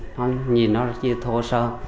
nó nhìn nó rất như thô sơ